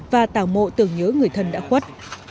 và tào mộ tưởng nhớ người thân đã khuất